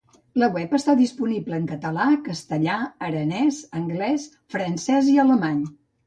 La web està disponible en català, castellà, aranès, anglès, francès i alemany.